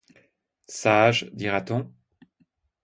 Sage, dira-t-on?